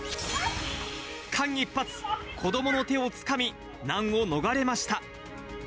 間一髪、子どもの手をつかみ、難を逃れました。